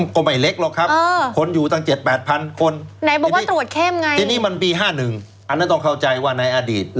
ก็ไม่เล็กหรอกครับคนอยู่ตั้ง๗๘พันคนเป็นเป็นปี๕๑อันนั้นต้องเข้าใจว่าในอดีต